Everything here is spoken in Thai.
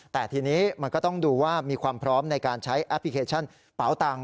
แต่ทีนี้มันก็ต้องดูว่ามีความพร้อมในการใช้แอปพลิเคชันเป๋าตังค